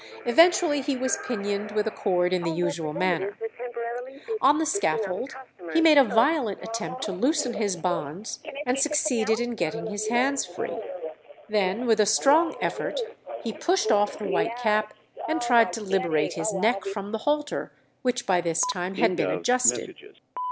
Eventually he was pinioned with a cord in the usual manner. On the scaffold he made a violent attempt to loosen his bonds, and succeeded in getting his hands free. Then with a strong effort he pushed off the white cap, and tried to liberate his neck from the halter, which by this time had been adjusted.